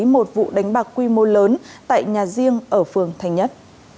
một vụ đánh bạc quy mô lớn tại nhà riêng ở phường thành nhất